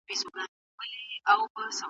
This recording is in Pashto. ساکن حالت د اوږدې مودې لپاره ګټور نه دی.